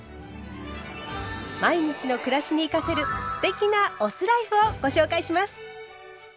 毎日の暮らしに生かせる“酢テキ”なお酢ライフをご紹介します。